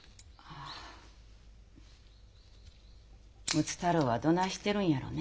睦太郎はどないしてるんやろねえ。